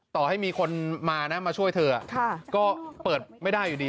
ต่อให้มีคนมานะมาช่วยเธอก็เปิดไม่ได้อยู่ดี